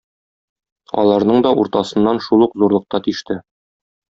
Аларның да уртасыннан шул ук зурлыкта тиште.